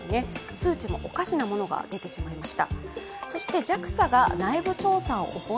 数値もおかしなものが出てしまいました。